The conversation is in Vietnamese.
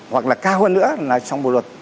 hoặc là cao hơn nữa là trong bộ luật